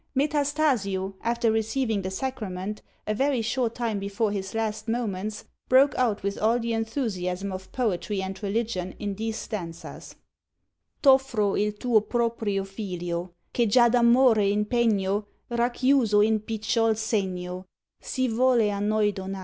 Metastasio, after receiving the sacrament, a very short time before his last moments, broke out with all the enthusiasm of poetry and religion in these stanzas: T' offro il tuo proprio Figlio, Che già d'amore in pegno, Racchiuso in picciol segno Si volle a noi donar.